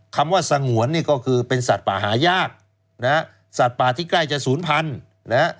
คำว่าสงวนนี่ก็คือเป็นสัตว์ป่าหายากนะฮะสัตว์ป่าที่ใกล้จะศูนย์พันธุ์นะฮะ